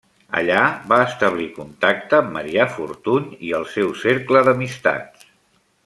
Allà va establir contacte amb Marià Fortuny i el seu cercle d'amistats.